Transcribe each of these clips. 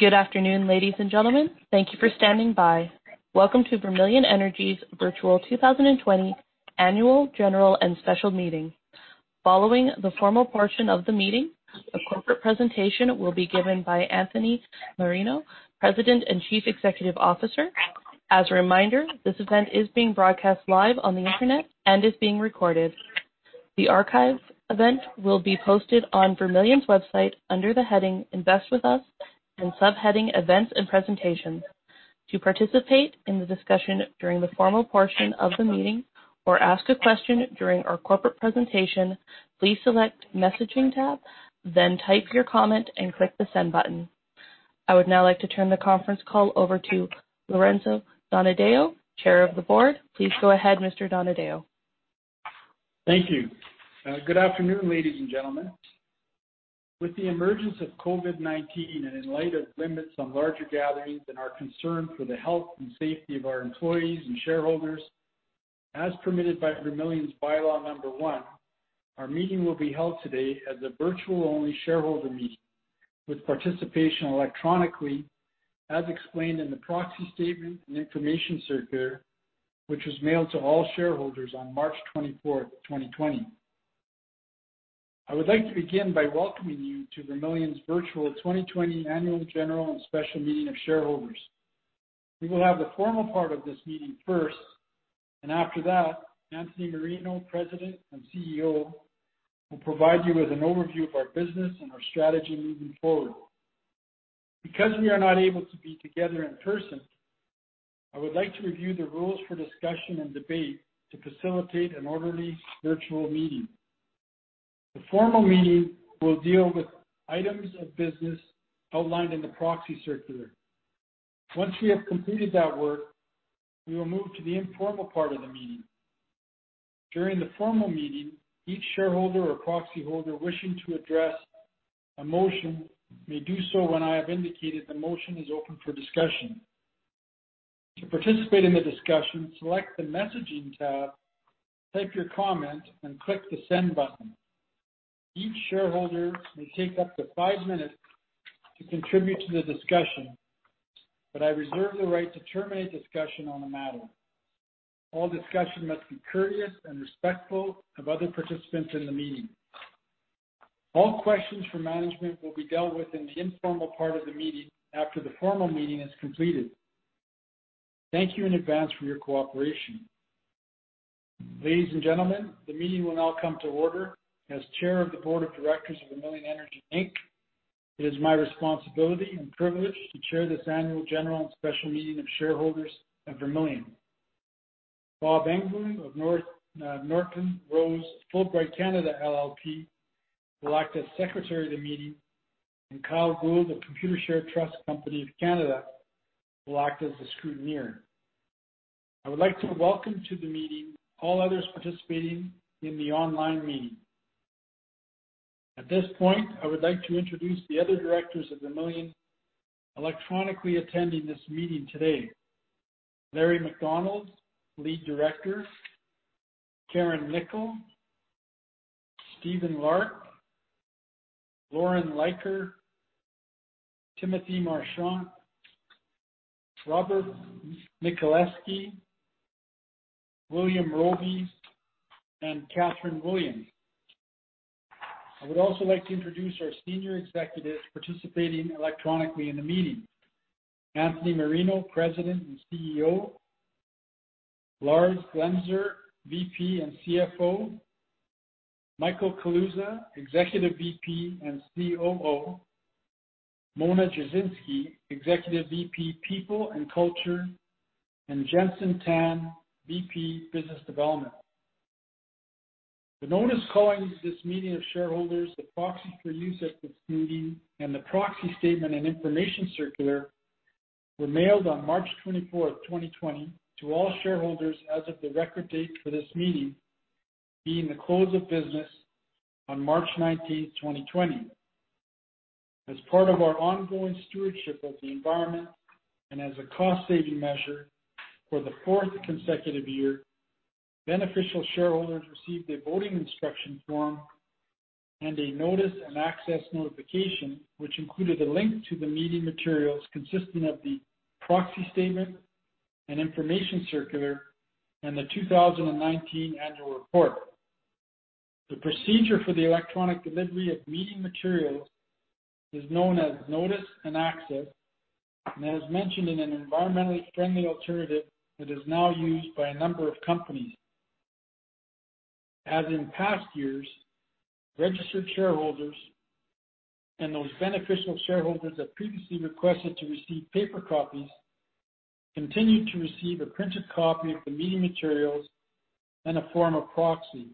Good afternoon, ladies and gentlemen. Thank you for standing by. Welcome to Vermilion Energy's Virtual 2020 Annual General and Special Meeting. Following the formal portion of the meeting, a corporate presentation will be given by Anthony Marino, President and Chief Executive Officer. As a reminder, this event is being broadcast live on the Internet and is being recorded. The archive event will be posted on Vermilion's website under the heading Invest with Us, and subheading Events and Presentations. To participate in the discussion during the formal portion of the meeting or ask a question during our corporate presentation, please select Messaging tab, then type your comment and click the Send button. I would now like to turn the conference call over to Lorenzo Donadeo, Chair of the Board. Please go ahead, Mr. Donadeo. Thank you. Good afternoon, ladies and gentlemen. With the emergence of COVID-19 and in light of limits on larger gatherings and our concern for the health and safety of our employees and shareholders, as permitted by Vermilion's Bylaw Number 1, our meeting will be held today as a virtual-only shareholder meeting, with participation electronically, as explained in the Proxy Statement and Information Circular, which was mailed to all shareholders on March 24, 2020. I would like to begin by welcoming you to Vermilion's virtual 2020 Annual General and Special Meeting of Shareholders. We will have the formal part of this meeting first, and after that, Anthony Marino, President and CEO, will provide you with an overview of our business and our strategy moving forward. Because we are not able to be together in person, I would like to review the rules for discussion and debate to facilitate an orderly virtual meeting. The formal meeting will deal with items of business outlined in the Proxy Circular. Once we have completed that work, we will move to the informal part of the meeting. During the formal meeting, each shareholder or proxyholder wishing to address a motion may do so when I have indicated the motion is open for discussion. To participate in the discussion, select the Messaging tab, type your comment, and click the Send button. Each shareholder may take up to five minutes to contribute to the discussion, but I reserve the right to terminate discussion on a matter. All discussion must be courteous and respectful of other participants in the meeting. All questions for management will be dealt with in the informal part of the meeting after the formal meeting is completed. Thank you in advance for your cooperation. Ladies and gentlemen, the meeting will now come to order. As Chair of the Board of Directors of Vermilion Energy Inc., it is my responsibility and privilege to chair this Annual General and Special Meeting of Shareholders of Vermilion. Bob Engbloom of Norton Rose Fulbright Canada LLP will act as Secretary of the meeting, and Kyle Gould of Computershare Trust Company of Canada will act as the scrutineer. I would like to welcome to the meeting all others participating in the online meeting. At this point, I would like to introduce the other directors of Vermilion electronically attending this meeting today. Larry Macdonald, Lead Director; Carin Knickel, Stephen Larke, Loren Leiker, Timothy Marchant, Robert Michaleski, William Roby, and Catherine Williams. I would also like to introduce our senior executives participating electronically in the meeting. Anthony Marino, President and CEO, Lars Glemser, VP and CFO, Michael Kaluza, Executive VP and COO, Mona Jasinski, Executive VP, People and Culture, and Jenson Tan, VP, Business Development. The notice calling this meeting of shareholders, the proxy for use at this meeting, and proxy statement and Information Circular were mailed on March 24, 2020 to all shareholders as of the record date for this meeting, being the close of business on March 19, 2020. As part of our ongoing stewardship of the environment and as a cost-saving measure, for the fourth consecutive year, beneficial shareholders received a Voting Instruction Form and a Notice and Access notification, which included a link to the meeting materials consisting of proxy statement and Information Circular and the 2019 Annual Report. The procedure for the electronic delivery of meeting materials is known as Notice and Access, and, as mentioned, an environmentally friendly alternative, it is now used by a number of companies. As in past years, registered shareholders and those beneficial shareholders that previously requested to receive paper copies continued to receive a printed copy of the meeting materials and a Form of Proxy.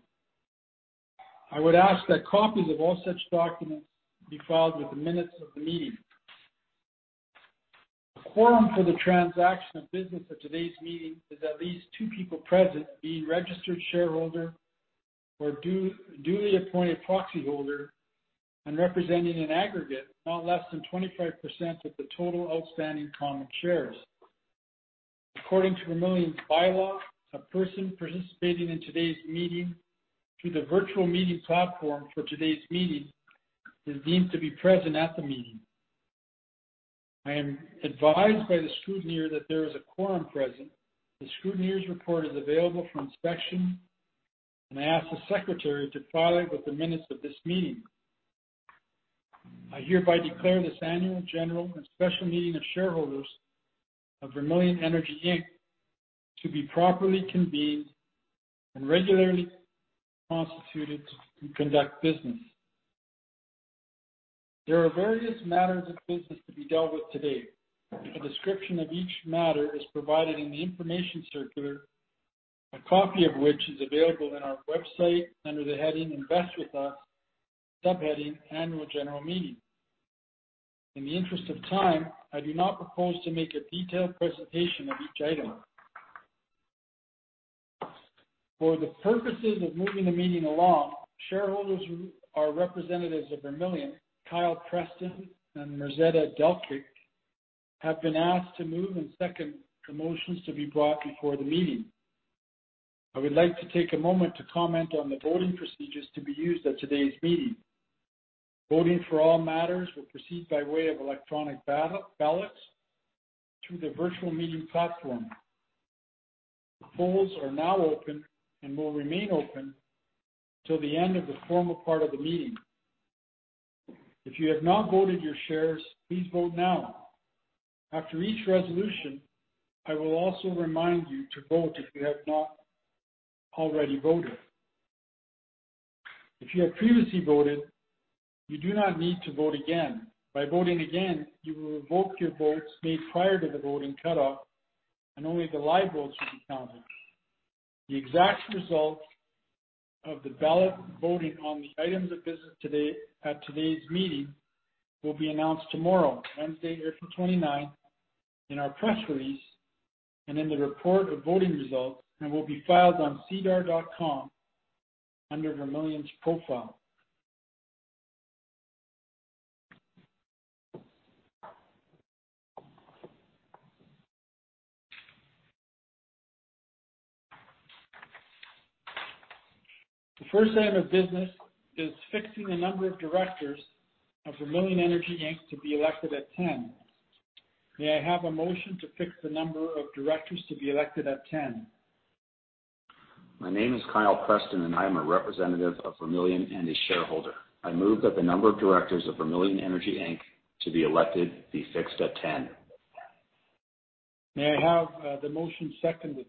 I would ask that copies of all such documents be filed with the minutes of the meeting. The quorum for the transaction of business at today's meeting is at least two people present, being registered shareholder or duly appointed proxyholder and representing an aggregate not less than 25% of the total outstanding common shares. According to Vermilion's bylaws, a person participating in today's meeting through the virtual meeting platform for today's meeting is deemed to be present at the meeting. I am advised by the scrutineer that there is a quorum present. The scrutineer's report is available for inspection, and I ask the Secretary to provide with the minutes of this meeting. I hereby declare this annual general and special meeting of shareholders of Vermilion Energy Inc. to be properly convened and regularly constituted to conduct business. There are various matters of business to be dealt with today. A description of each matter is provided in the Information Circular, a copy of which is available on our website under the heading Invest with Us, subheading Annual General Meeting. In the interest of time, I do not propose to make a detailed presentation of each item. For the purposes of moving the meeting along, shareholders who are representatives of Vermilion, Kyle Preston and Marzena Dalkic, have been asked to move and second the motions to be brought before the meeting. I would like to take a moment to comment on the voting procedures to be used at today's meeting. Voting for all matters will proceed by way of electronic ballots through the virtual meeting platform. The polls are now open and will remain open till the end of the formal part of the meeting. If you have not voted your shares, please vote now. After each resolution, I will also remind you to vote if you have not already voted. If you have previously voted, you do not need to vote again. By voting again, you will revoke your votes made prior to the voting cutoff, and only the live votes will be counted. The exact result of the ballot voting on the items of business today, at today's meeting, will be announced tomorrow, Wednesday, April 29, in our press release and in the report of voting results, and will be filed on sedar.com under Vermilion's profile. The first item of business is fixing the number of directors of Vermilion Energy Inc. to be elected at 10. May I have a motion to fix the number of directors to be elected at 10? My name is Kyle Preston, and I'm a representative of Vermilion and a shareholder. I move that the number of directors of Vermilion Energy Inc. to be elected be fixed at 10. May I have the motion seconded?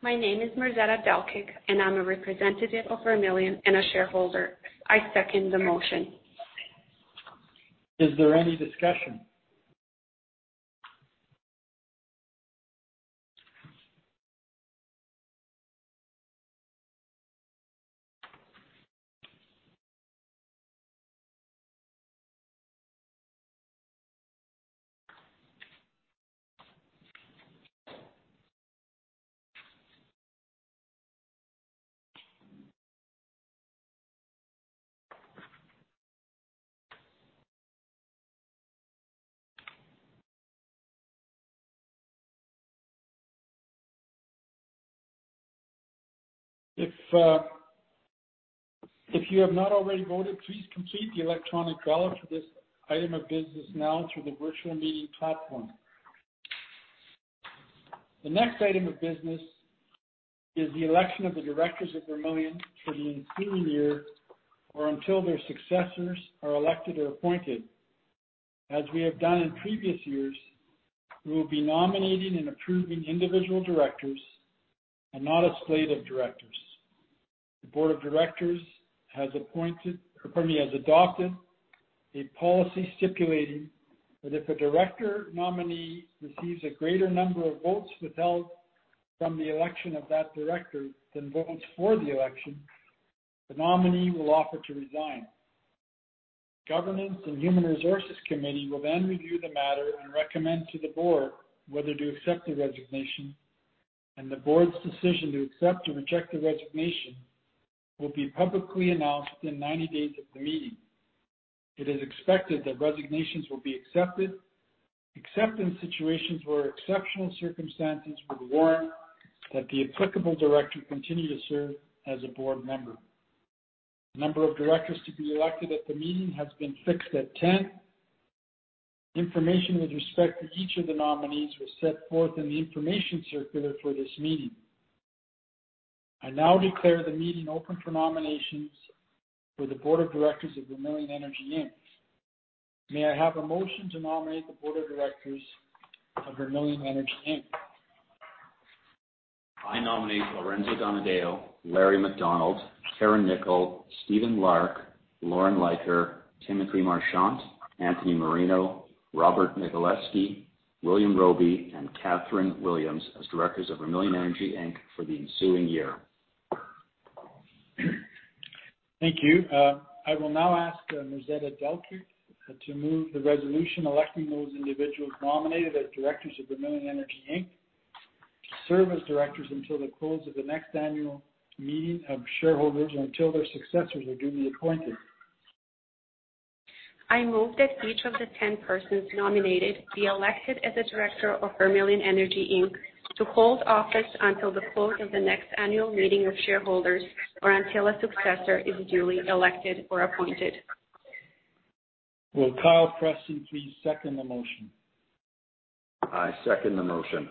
My name is Marzena Dalkic, and I'm a representative of Vermilion and a shareholder. I second the motion. Is there any discussion? If, if you have not already voted, please complete the electronic ballot for this item of business now through the virtual meeting platform. The next item of business is the election of the directors of Vermilion for the ensuing year or until their successors are elected or appointed. As we have done in previous years, we will be nominating and approving individual directors and not a slate of directors. The Board of Directors has appointed, or pardon me, has adopted a policy stipulating that if a director nominee receives a greater number of votes withheld from the election of that director than votes for the election, the nominee will offer to resign. Governance and Human Resources Committee will then review the matter and recommend to the Board whether to accept the resignation, and the Board's decision to accept or reject the resignation will be publicly announced within 90 days of the meeting. It is expected that resignations will be accepted, except in situations where exceptional circumstances would warrant that the applicable director continue to serve as a Board member. The number of directors to be elected at the meeting has been fixed at 10. Information with respect to each of the nominees was set forth in the Information Circular for this meeting. I now declare the meeting open for nominations for the Board of Directors of Vermilion Energy Inc. May I have a motion to nominate the Board of Directors of Vermilion Energy Inc.? I nominate Lorenzo Donadeo, Larry Macdonald, Carin Knickel, Stephen Larke, Loren Leiker, Timothy Marchant, Anthony Marino, Robert Michaleski, William Roby, and Catherine Williams as directors of Vermilion Energy Inc. for the ensuing year. Thank you. I will now ask Marzena Dalkic to move the resolution electing those individuals nominated as directors of Vermilion Energy Inc. to serve as directors until the close of the next annual meeting of shareholders or until their successors are duly appointed.... I move that each of the 10 persons nominated be elected as a director of Vermilion Energy Inc., to hold office until the close of the next annual meeting of shareholders, or until a successor is duly elected or appointed. Will Kyle Preston please second the motion? I second the motion.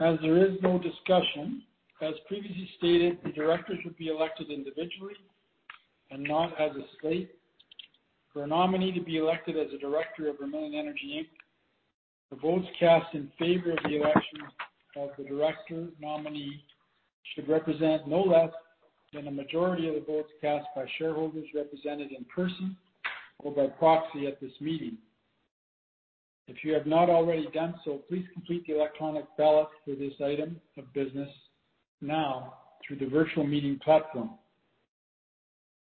As there is no discussion, as previously stated, the directors should be elected individually and not as a slate. For a nominee to be elected as a director of Vermilion Energy Inc., the votes cast in favor of the election of the director nominee should represent no less than a majority of the votes cast by shareholders represented in person or by proxy at this meeting. If you have not already done so, please complete the electronic ballot for this item of business now through the virtual meeting platform.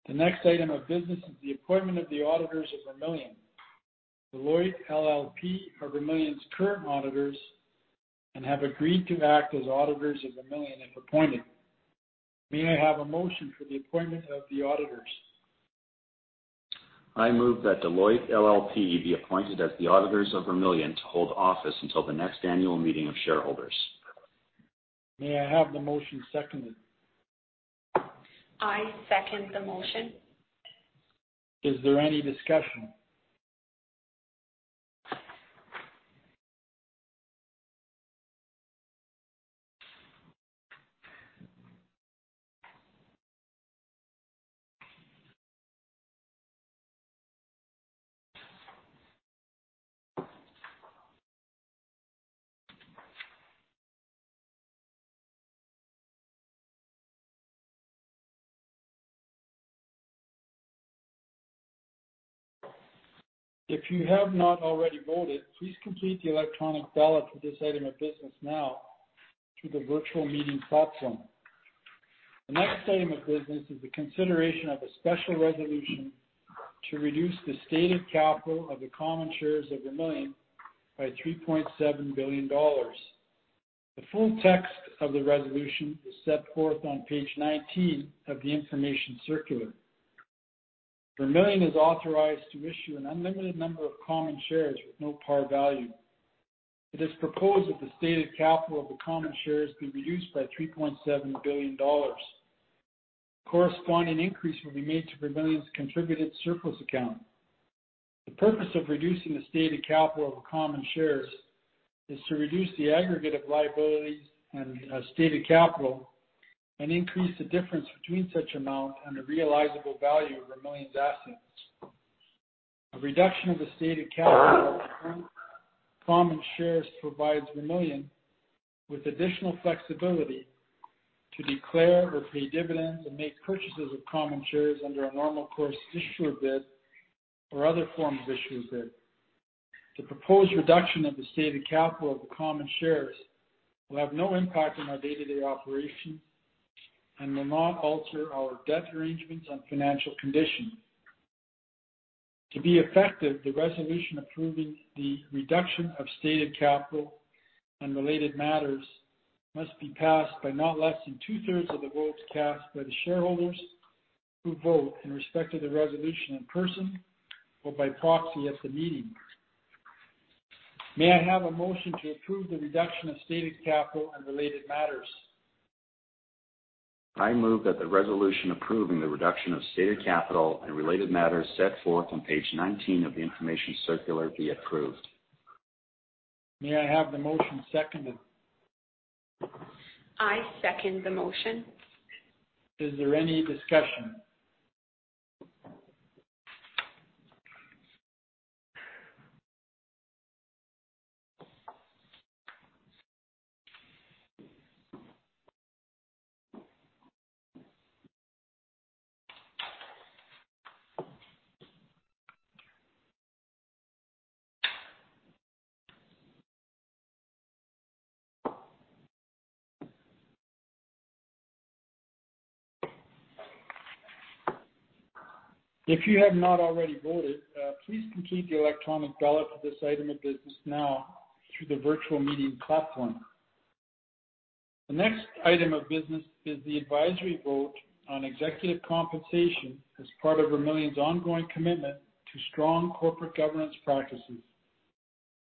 The next item of business is the appointment of the auditors of Vermilion. Deloitte LLP are Vermilion's current auditors, and have agreed to act as auditors of Vermilion, if appointed. May I have a motion for the appointment of the auditors? I move that Deloitte LLP be appointed as the auditors of Vermilion to hold office until the next annual meeting of shareholders. May I have the motion seconded? I second the motion. Is there any discussion? If you have not already voted, please complete the electronic ballot for this item of business now through the virtual meeting platform. The next item of business is the consideration of a special resolution to reduce the stated capital of the common shares of Vermilion by 3.7 billion dollars. The full text of the resolution is set forth on page 19 of the Information Circular. Vermilion is authorized to issue an unlimited number of common shares with no par value. It is proposed that the stated capital of the common shares be reduced by 3.7 billion dollars. A corresponding increase will be made to Vermilion's contributed surplus account. The purpose of reducing the stated capital of common shares is to reduce the aggregate of liabilities and stated capital, and increase the difference between such amount and the realizable value of Vermilion's assets. A reduction of the stated capital of common shares provides Vermilion with additional flexibility to declare or pay dividends and make purchases of common shares under a normal course issuer bid or other form of issuer bid. The proposed reduction of the stated capital of the common shares will have no impact on our day-to-day operations and will not alter our debt arrangements and financial conditions. To be effective, the resolution approving the reduction of stated capital and related matters must be passed by not less than two-thirds of the votes cast by the shareholders who vote in respect to the resolution in person or by proxy at the meeting. May I have a motion to approve the reduction of stated capital and related matters? I move that the resolution approving the reduction of stated capital and related matters set forth on page 19 of the Information Circular be approved. May I have the motion seconded? I second the motion. Is there any discussion? If you have not already voted, please complete the electronic ballot for this item of business now through the virtual meeting platform. The next item of business is the advisory vote on executive compensation as part of Vermilion's ongoing commitment to strong corporate governance practices.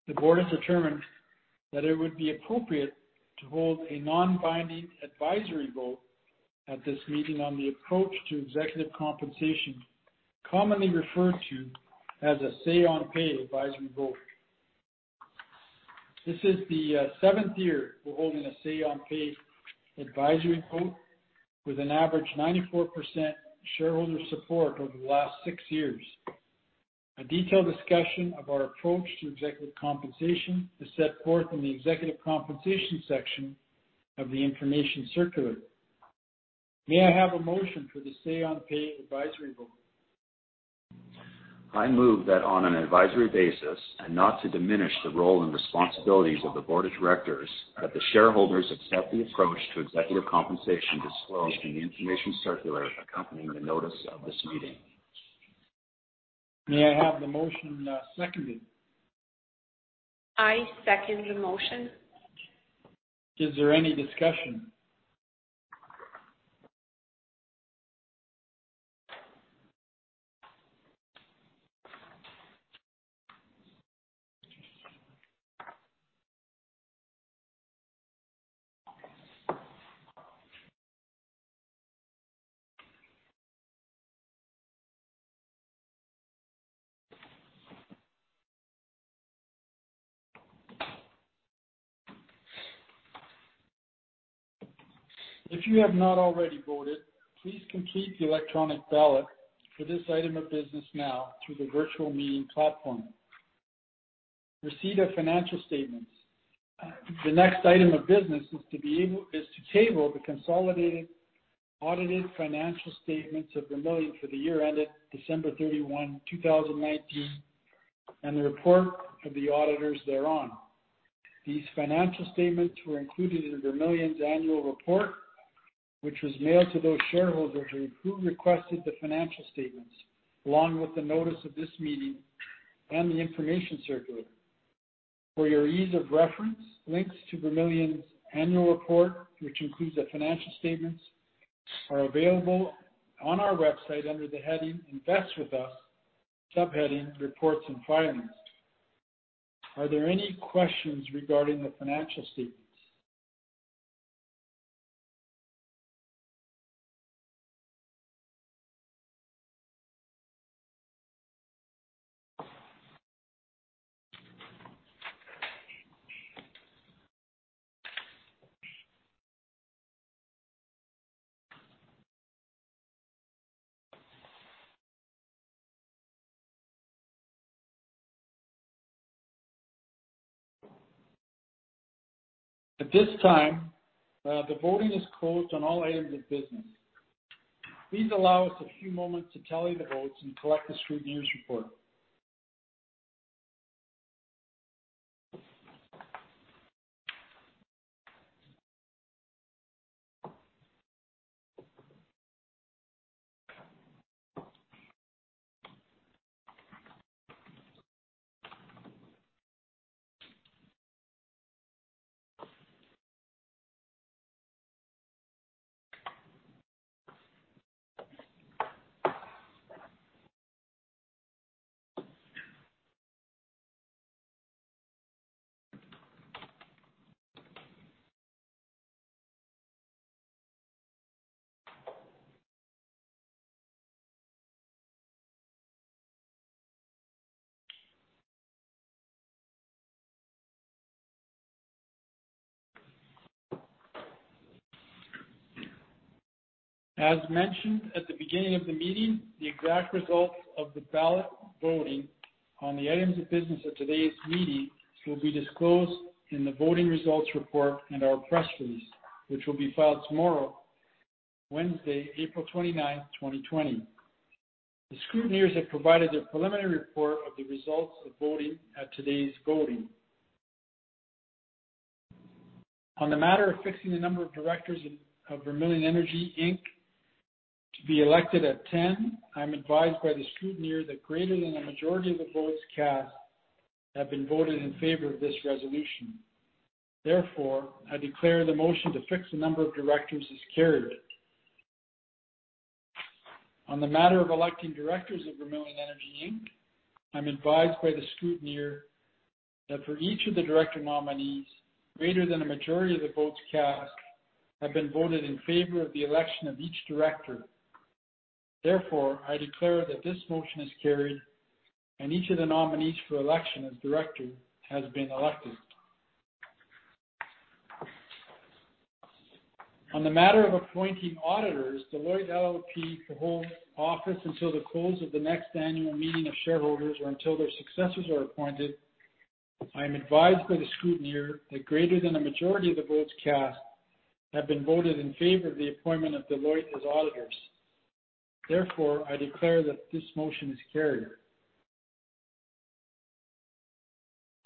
The Board has determined that it would be appropriate to hold a non-binding advisory vote at this meeting on the approach to executive compensation, commonly referred to as a Say on Pay advisory vote. This is the seventh year we're holding a Say on Pay advisory vote, with an average 94% shareholder support over the last six years. A detailed discussion of our approach to executive compensation is set forth in the executive compensation section of Information Circular. may I have a motion for the Say on Pay advisory vote? I move that on an advisory basis, and not to diminish the role and responsibilities of the Board of Directors, that the shareholders accept the approach to executive compensation disclosed in the Information Circular accompanying the notice of this meeting. May I have the motion, seconded? I second the motion. Is there any discussion? If you have not already voted, please complete the electronic ballot for this item of business now through the virtual meeting platform. Receipt of financial statements. The next item of business is to be able - is to table the consolidated audited financial statements of Vermilion for the year ended December 31, 2019, and the report of the auditors thereon. These financial statements were included in Vermilion's Annual Report, which was mailed to those shareholders who, who requested the financial statements, along with the notice of this meeting and the Information Circular. For your ease of reference, links to Vermilion's Annual Report, which includes the financial statements, are available on our website under the heading Invest with Us, subheading Reports and Filings. Are there any questions regarding the financial statements? At this time, the voting is closed on all items of business. Please allow us a few moments to tally the votes and collect the scrutineer's report. As mentioned at the beginning of the meeting, the exact results of the ballot voting on the items of business at today's meeting will be disclosed in the voting results report and our press release, which will be filed tomorrow, Wednesday, April 29, 2020. The scrutineers have provided their preliminary report of the results of voting at today's voting. On the matter of fixing the number of directors of Vermilion Energy Inc. to be elected at 10, I'm advised by the scrutineer that greater than a majority of the votes cast have been voted in favor of this resolution. Therefore, I declare the motion to fix the number of directors is carried. On the matter of electing directors of Vermilion Energy Inc., I'm advised by the scrutineer that for each of the director nominees, greater than a majority of the votes cast have been voted in favor of the election of each director. Therefore, I declare that this motion is carried, and each of the nominees for election as director has been elected. On the matter of appointing auditors, Deloitte LLP, to hold office until the close of the next annual meeting of shareholders or until their successors are appointed, I am advised by the scrutineer that greater than a majority of the votes cast have been voted in favor of the appointment of Deloitte as auditors. Therefore, I declare that this motion is carried.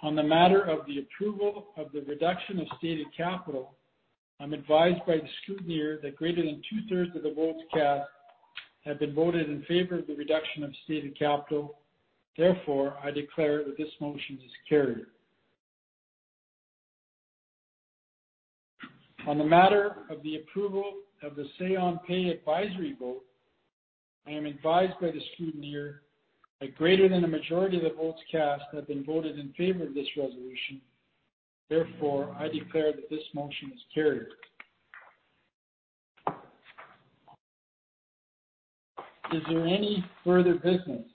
On the matter of the approval of the reduction of stated capital, I'm advised by the scrutineer that greater than two-thirds of the votes cast have been voted in favor of the reduction of stated capital. Therefore, I declare that this motion is carried. On the matter of the approval of the Say on Pay advisory vote, I am advised by the scrutineer that greater than a majority of the votes cast have been voted in favor of this resolution. Therefore, I declare that this motion is carried. Is there any further business?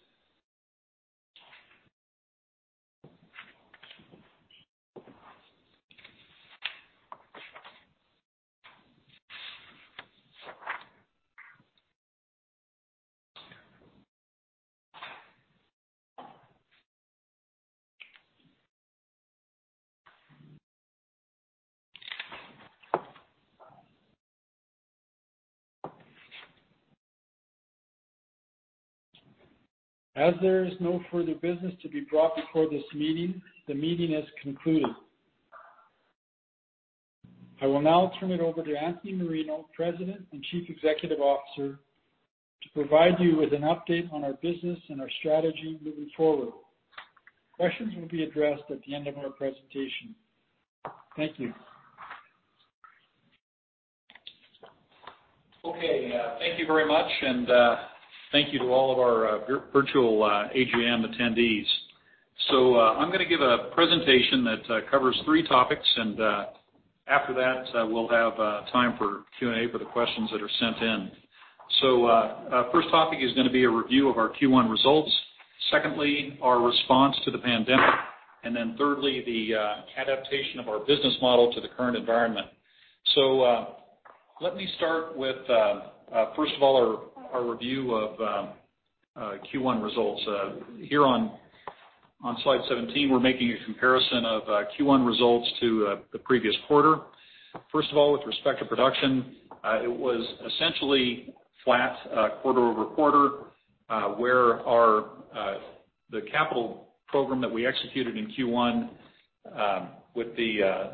As there is no further business to be brought before this meeting, the meeting is concluded. I will now turn it over to Anthony Marino, President and Chief Executive Officer, to provide you with an update on our business and our strategy moving forward. Questions will be addressed at the end of our presentation. Thank you. Okay, thank you very much, and thank you to all of our virtual AGM attendees. So, I'm gonna give a presentation that covers three topics, and after that, we'll have time for Q&A for the questions that are sent in. So, our first topic is gonna be a review of our Q1 results. Secondly, our response to the pandemic, and then thirdly, the adaptation of our business model to the current environment. So, let me start with, first of all, our review of Q1 results. Here on slide 17, we're making a comparison of Q1 results to the previous quarter. First of all, with respect to production, it was essentially flat, quarter-over-quarter, where our the capital program that we executed in Q1, with the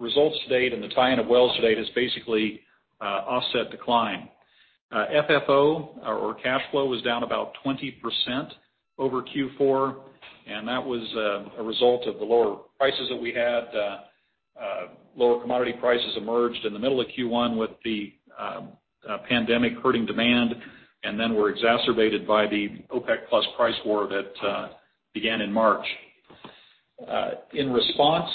results to date and the tie-in of wells to date has basically offset decline. FFO, or, or cash flow, was down about 20% over Q4, and that was a result of the lower prices that we had. Lower commodity prices emerged in the middle of Q1 with the pandemic hurting demand, and then were exacerbated by the OPEC+ price war that began in March. In response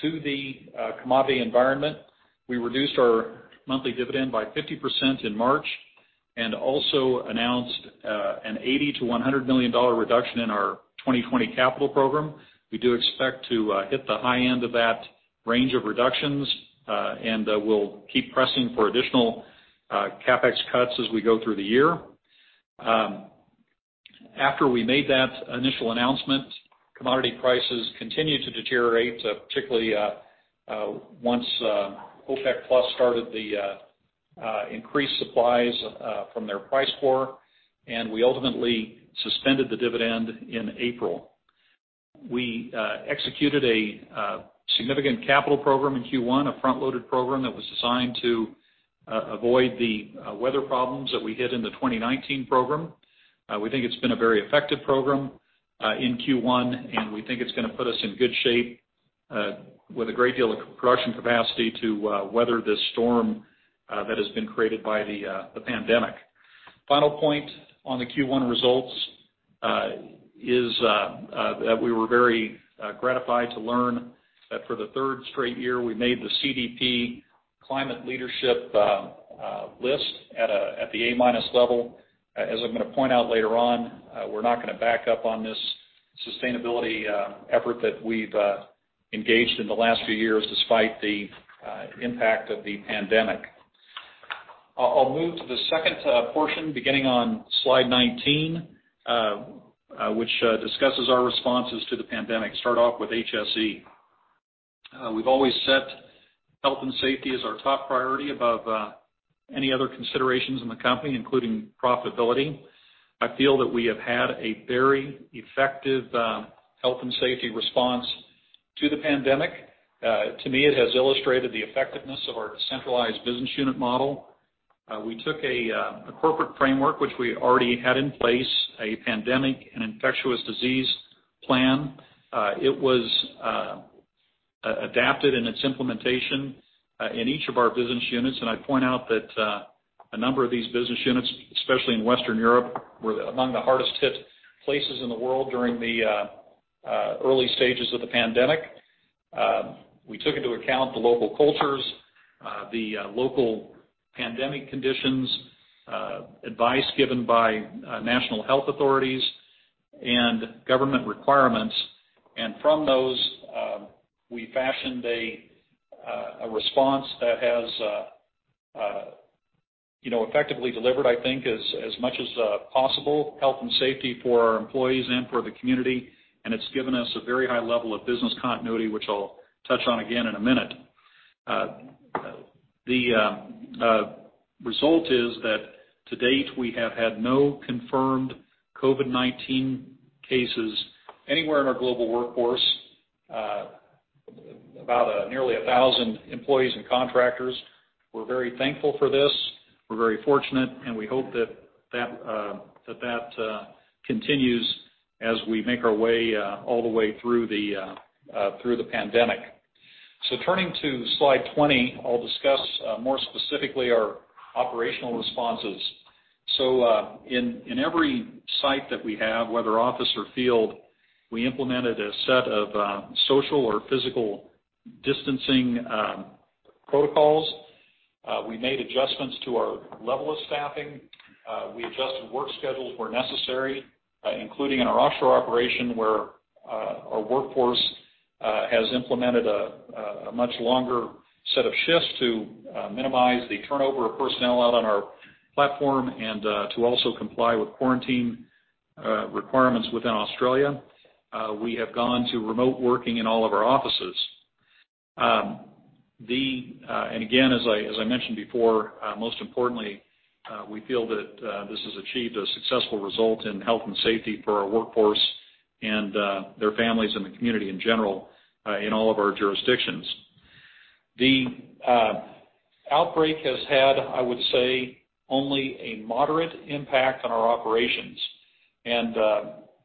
to the commodity environment, we reduced our monthly dividend by 50% in March, and also announced an $80-$100 million reduction in our 2020 capital program. We do expect to hit the high end of that range of reductions, and we'll keep pressing for additional CapEx cuts as we go through the year. After we made that initial announcement, commodity prices continued to deteriorate, particularly, once OPEC+ started the increased supplies from their price war, and we ultimately suspended the dividend in April. We executed a significant capital program in Q1, a front-loaded program that was designed to avoid the weather problems that we hit in the 2019 program. We think it's been a very effective program in Q1, and we think it's gonna put us in good shape with a great deal of production capacity to weather this storm that has been created by the pandemic. Final point on the Q1 results is that we were very gratified to learn that for the third straight year, we made the CDP Climate Leadership list at the A-minus level. As I'm gonna point out later on, we're not gonna back up on this sustainability effort that we've engaged in the last few years, despite the impact of the pandemic. I'll move to the second portion, beginning on slide 19, which discusses our responses to the pandemic. Start off with HSE. We've always set health and safety as our top priority above any other considerations in the company, including profitability. I feel that we have had a very effective health and safety response to the pandemic. To me, it has illustrated the effectiveness of our decentralized business unit model. We took a corporate framework, which we already had in place, a pandemic and infectious disease plan. It was adapted in its implementation in each of our business units. I'd point out that a number of these business units, especially in Western Europe, were among the hardest hit places in the world during the early stages of the pandemic. We took into account the local cultures, the local pandemic conditions, advice given by national health authorities and government requirements. And from those, we fashioned a response that has, you know, effectively delivered, I think, as much as possible, health and safety for our employees and for the community, and it's given us a very high level of business continuity, which I'll touch on again in a minute. The result is that to date, we have had no confirmed COVID-19 cases anywhere in our global workforce, about nearly 1,000 employees and contractors. We're very thankful for this. We're very fortunate, and we hope that that continues as we make our way all the way through the pandemic. So turning to slide 20, I'll discuss more specifically our operational responses. So, in every site that we have, whether office or field, we implemented a set of social or physical distancing protocols. We made adjustments to our level of staffing. We adjusted work schedules where necessary, including in our offshore operation, where our workforce has implemented a much longer set of shifts to minimize the turnover of personnel out on our platform and to also comply with quarantine requirements within Australia. We have gone to remote working in all of our offices. And again, as I mentioned before, most importantly, we feel that this has achieved a successful result in health and safety for our workforce and their families and the community in general in all of our jurisdictions. The outbreak has had, I would say, only a moderate impact on our operations.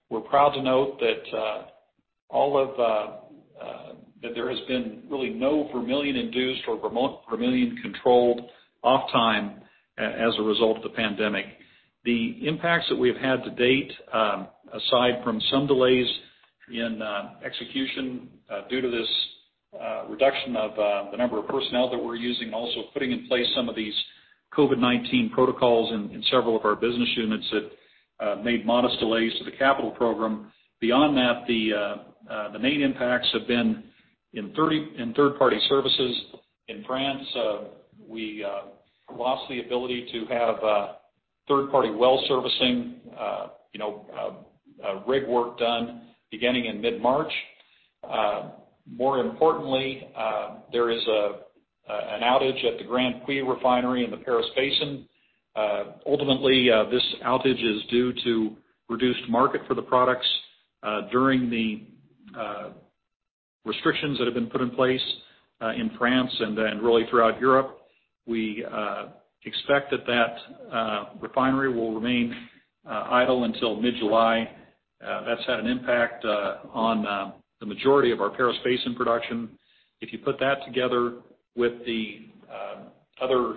We're proud to note that there has been really no Vermilion-induced or remotely Vermilion-controlled off time as a result of the pandemic. The impacts that we have had to date, aside from some delays in execution due to this reduction of the number of personnel that we're using, also putting in place some of these COVID-19 protocols in several of our business units that made modest delays to the capital program. Beyond that, the main impacts have been in third-party services. In France, we lost the ability to have third-party well servicing, you know, rig work done beginning in mid-March. More importantly, there is an outage at the Grandpuits Refinery in the Paris Basin. Ultimately, this outage is due to reduced market for the products during the restrictions that have been put in place in France and then really throughout Europe. We expect that that refinery will remain idle until mid-July. That's had an impact on the majority of our Paris Basin production. If you put that together with the other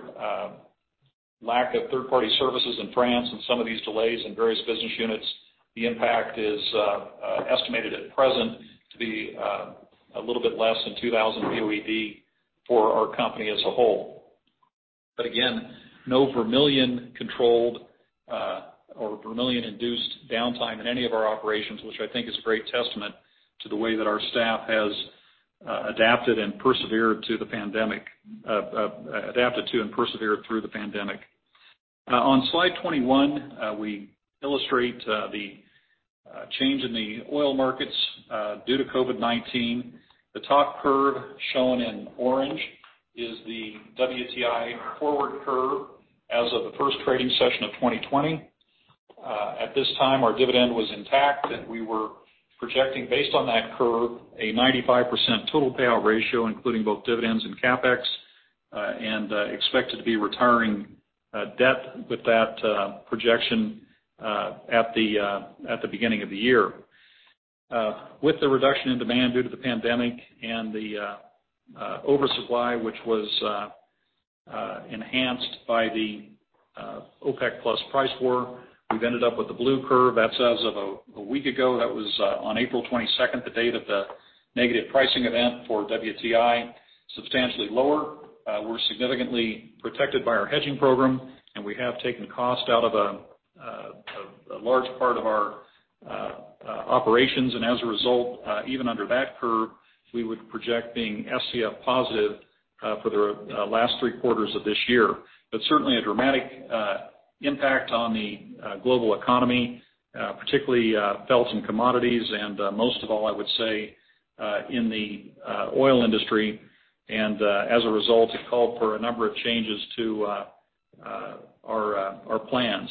lack of third-party services in France and some of these delays in various business units, the impact is estimated at present to be a little bit less than 2,000 BOED for our company as a whole. But again, no Vermilion-controlled or Vermilion-induced downtime in any of our operations, which I think is a great testament to the way that our staff has adapted to and persevered through the pandemic. On Slide 21, we illustrate the change in the oil markets due to COVID-19. The top curve, shown in orange, is the WTI forward curve as of the first trading session of 2020. At this time, our dividend was intact, and we were projecting, based on that curve, a 95% total payout ratio, including both dividends and CapEx, and expected to be retiring debt with that projection at the beginning of the year. With the reduction in demand due to the pandemic and the oversupply, which was enhanced by the OPEC+ price war, we've ended up with the blue curve. That's as of a week ago, that was on April twenty-second, the date of the negative pricing event for WTI, substantially lower. We're significantly protected by our hedging program, and we have taken cost out of a large part of our operations. And as a result, even under that curve, we would project being FCF positive for the last three quarters of this year. But certainly a dramatic impact on the global economy, particularly felt in commodities, and most of all, I would say, in the oil industry, and as a result, it called for a number of changes to our plans.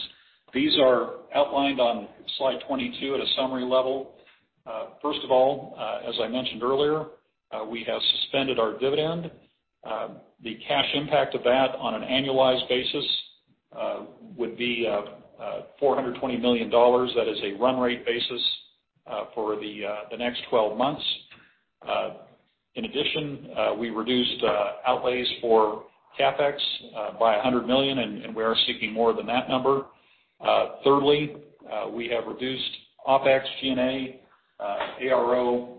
These are outlined on Slide 22 at a summary level. First of all, as I mentioned earlier, we have suspended our dividend. The cash impact of that on an annualized basis would be 420 million dollars. That is a run rate basis for the next 12 months. In addition, we reduced outlays for CapEx by 100 million, and we are seeking more than that number. Thirdly, we have reduced OpEx, G&A, ARO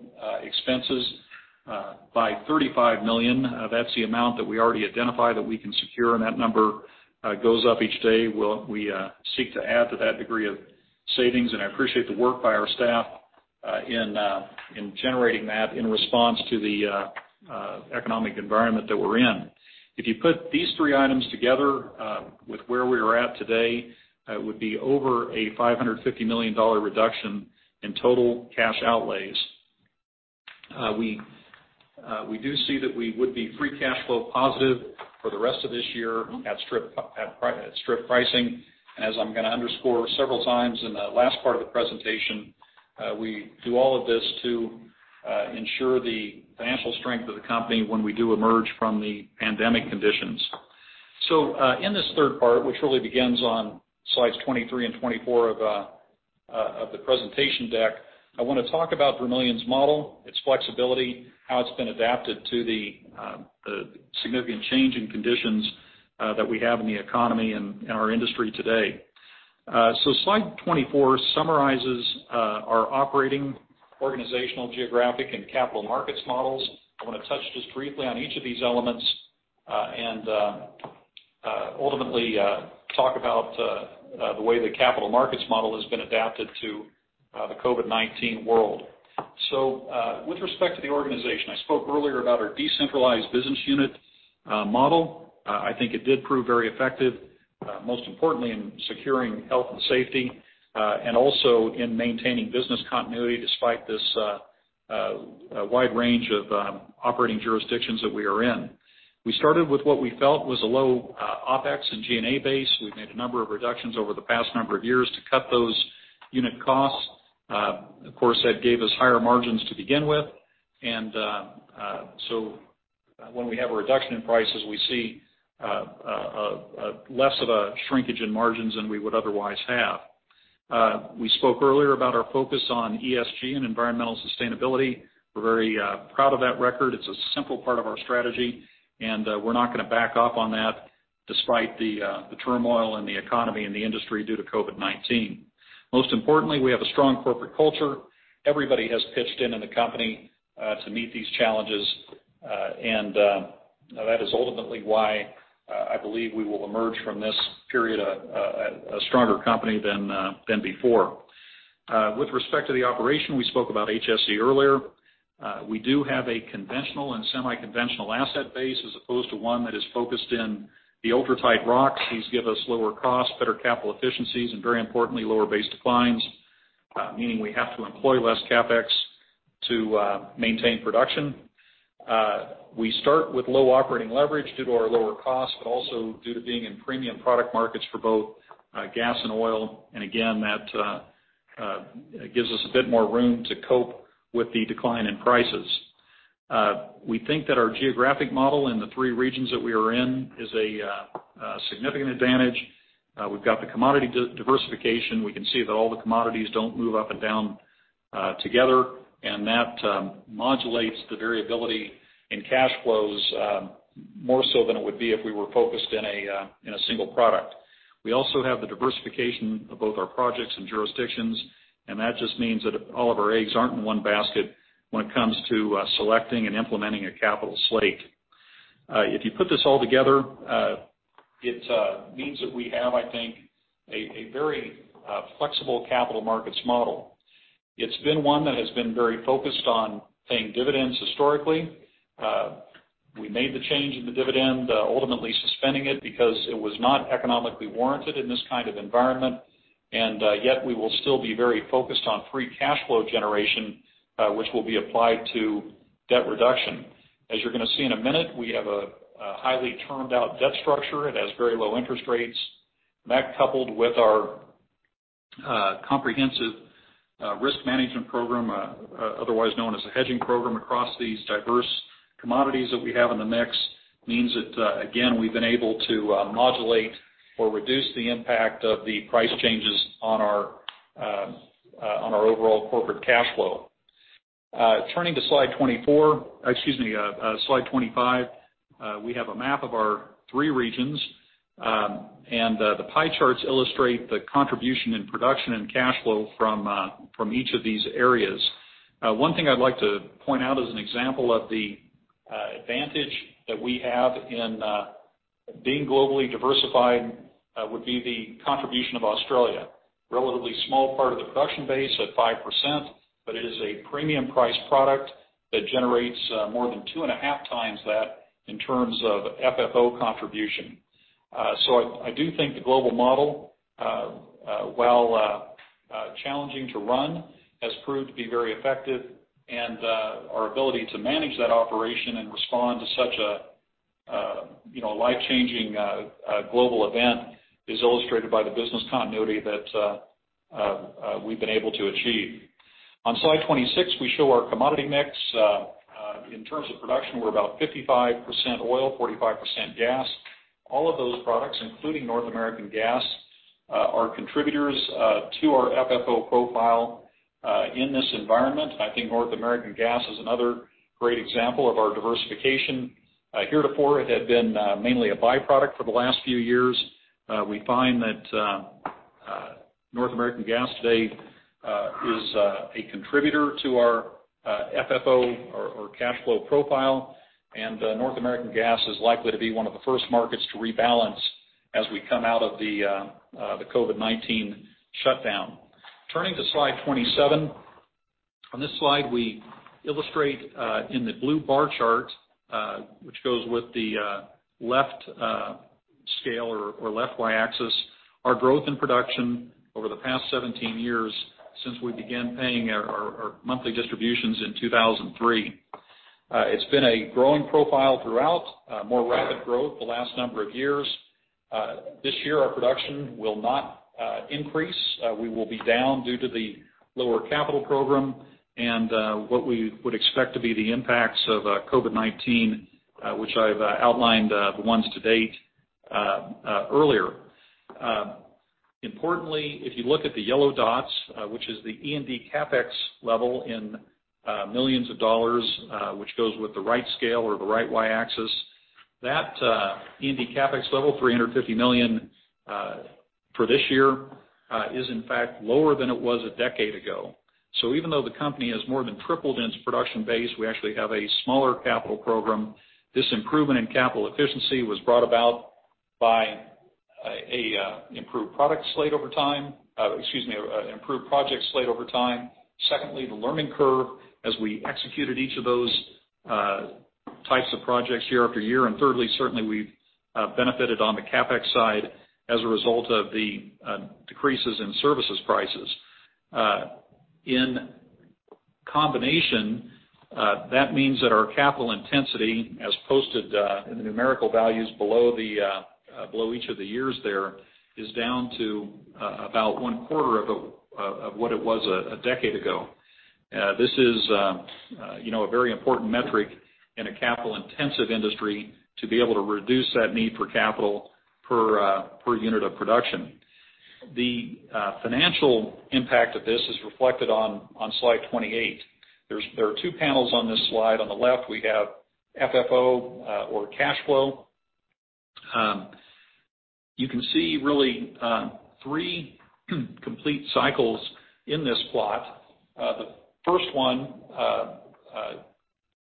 expenses by 35 million. That's the amount that we already identified that we can secure, and that number goes up each day. We seek to add to that degree of savings, and I appreciate the work by our staff in generating that in response to the economic environment that we're in. If you put these three items together with where we are at today, it would be over a $550 million reduction in total cash outlays. We do see that we would be free cash flow positive for the rest of this year at strip pricing. As I'm gonna underscore several times in the last part of the presentation, we do all of this to ensure the financial strength of the company when we do emerge from the pandemic conditions. So, in this third part, which really begins on slides 23 and 24 of the presentation deck, I wanna talk about Vermilion's model, its flexibility, how it's been adapted to the significant change in conditions that we have in the economy and in our industry today. So slide 24 summarizes our operating, organizational, geographic, and capital markets models. I wanna touch just briefly on each of these elements, and ultimately talk about the way the capital markets model has been adapted to the COVID-19 world. So, with respect to the organization, I spoke earlier about our decentralized business unit model. I think it did prove very effective, most importantly, in securing health and safety, and also in maintaining business continuity despite this wide range of operating jurisdictions that we are in. We started with what we felt was a low OpEx and G&A base. We've made a number of reductions over the past number of years to cut those unit costs. Of course, that gave us higher margins to begin with, and so when we have a reduction in prices, we see less of a shrinkage in margins than we would otherwise have. We spoke earlier about our focus on ESG and environmental sustainability. We're very proud of that record. It's a simple part of our strategy, and we're not gonna back off on that despite the turmoil in the economy and the industry due to COVID-19. Most importantly, we have a strong corporate culture. Everybody has pitched in in the company to meet these challenges, and that is ultimately why I believe we will emerge from this period a stronger company than before. With respect to the operation, we spoke about HSE earlier. We do have a conventional and semi-conventional asset base, as opposed to one that is focused in the ultra-tight rocks. These give us lower costs, better capital efficiencies, and very importantly, lower base declines, meaning we have to employ less CapEx to maintain production. We start with low operating leverage due to our lower costs, but also due to being in premium product markets for both gas and oil. And again, that gives us a bit more room to cope with the decline in prices. We think that our geographic model in the three regions that we are in is a significant advantage. We've got the commodity diversification. We can see that all the commodities don't move up and down together, and that modulates the variability in cash flows more so than it would be if we were focused in a single product. We also have the diversification of both our projects and jurisdictions, and that just means that all of our eggs aren't in one basket when it comes to selecting and implementing a capital slate. If you put this all together, it means that we have, I think, a very flexible capital markets model. It's been one that has been very focused on paying dividends historically. We made the change in the dividend, ultimately suspending it because it was not economically warranted in this kind of environment, and yet we will still be very focused on free cash flow generation, which will be applied to debt reduction. As you're gonna see in a minute, we have a highly termed out debt structure. It has very low interest rates. That, coupled with our comprehensive risk management program, otherwise known as a hedging program, across these diverse commodities that we have in the mix, means that again, we've been able to modulate or reduce the impact of the price changes on our overall corporate cash flow. Turning to slide 24, excuse me, slide 25, we have a map of our three regions, and the pie charts illustrate the contribution in production and cash flow from each of these areas. One thing I'd like to point out as an example of the advantage that we have in being globally diversified would be the contribution of Australia. Relatively small part of the production base at 5%, but it is a premium price product that generates more than 2.5 times that in terms of FFO contribution. So I do think the global model, while challenging to run, has proved to be very effective, and our ability to manage that operation and respond to such a, you know, life-changing global event is illustrated by the business continuity that we've been able to achieve. On slide 26, we show our commodity mix. In terms of production, we're about 55% oil, 45% gas. All of those products, including North American gas, are contributors to our FFO profile in this environment. I think North American gas is another great example of our diversification. Heretofore, it had been mainly a byproduct for the last few years. We find that North American gas today is a contributor to our FFO or cash flow profile, and North American gas is likely to be one of the first markets to rebalance as we come out of the COVID-19 shutdown. Turning to slide 27. On this slide, we illustrate in the blue bar chart, which goes with the left scale or left Y-axis, our growth in production over the past 17 years since we began paying our monthly distributions in 2003. It's been a growing profile throughout, more rapid growth the last number of years. This year, our production will not increase. We will be down due to the lower capital program and what we would expect to be the impacts of COVID-19, which I've outlined, the ones to date, earlier. Importantly, if you look at the yellow dots, which is the E&D CapEx level in millions of dollars, which goes with the right scale or the right Y-axis, that E&D CapEx level, $350 million, for this year, is in fact lower than it was a decade ago. So even though the company has more than tripled its production base, we actually have a smaller capital program. This improvement in capital efficiency was brought about by- a improved product slate over time, excuse me, improved project slate over time. Secondly, the learning curve as we executed each of those types of projects year after year. And thirdly, certainly we've benefited on the CapEx side as a result of the decreases in services prices. In combination, that means that our capital intensity, as posted in the numerical values below each of the years there, is down to about one quarter of what it was a decade ago. This is, you know, a very important metric in a capital-intensive industry to be able to reduce that need for capital per unit of production. The financial impact of this is reflected on slide 28. There are two panels on this slide. On the left, we have FFO or cash flow. You can see really three complete cycles in this plot. The first one